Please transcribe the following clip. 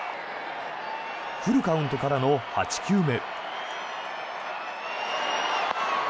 フルカウントからの８球目。